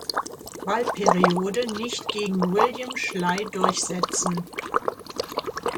Wahlperiode nicht gegen William Schley durchsetzen.